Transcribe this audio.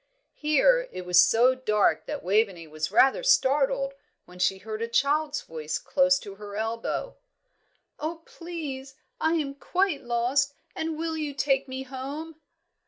Here it was so dark that Waveney was rather startled when she heard a child's voice close to her elbow. "Oh, please, I am quite lost, and will you take me home?"